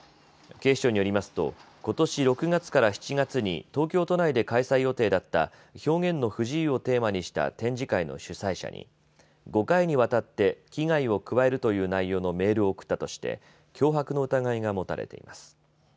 警視庁によりますと、ことし６月から７月に東京都内で開催予定だった表現の不自由をテーマにした展示会の主催者に５回にわたって危害を加えるという内容のメールを送ったとして脅迫の疑いが持たれています。